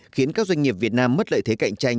khiến các doanh nghiệp việt nam mất lợi thế